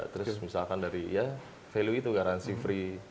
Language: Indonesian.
terus misalkan dari ya value itu garansi free